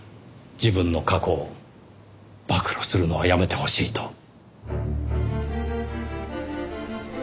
自分の過去を暴露するのはやめてほしいと。